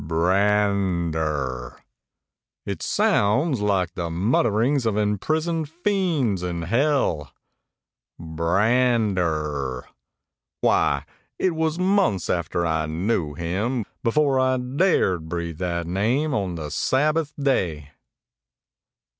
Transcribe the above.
"B r a n d e r, it sounds like the mutterings of imprisoned fiends in Hell ! B r a n d e r, why, it was months after I knew him before I dared to breathe that name on the Sabbath day